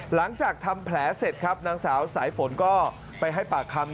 หลังจากทำแผลเสร็จครับนางสาวสายฝนก็ไปให้ปากคำ